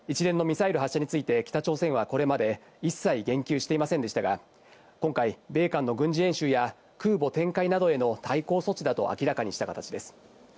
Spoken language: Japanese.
一連のミサイル発射について北朝鮮は、これまで一切言及していませんでしたが、今回、米韓の軍事演習や空母展開などへの対抗措置だと明らかにした形です。